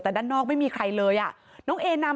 แต่ด้านนอกไม่มีใครเลยอะ